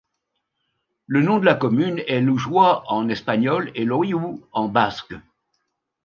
Le nom de la commune est Lujua en Espagnol et Loiu en basque.